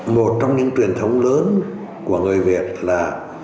một trong những truyền thống lớn của người việt là